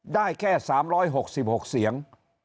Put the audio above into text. ได้แค่๓๖๖เสียง